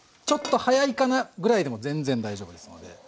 ちょっと早いかなぐらいでも全然大丈夫ですので。